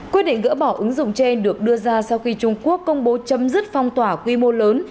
quyết định gỡ bỏ ứng dụng trên được đưa ra sau khi trung quốc công bố chấm dứt phong tỏa quy mô lớn